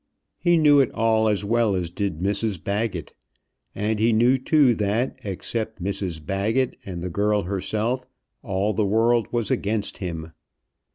He knew it all as well as did Mrs Baggett. And he knew too that, except Mrs Baggett and the girl herself, all the world was against him.